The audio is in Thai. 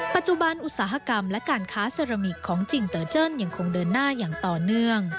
อุตสาหกรรมและการค้าเซรามิกของจิงเตอร์เจิ้นยังคงเดินหน้าอย่างต่อเนื่อง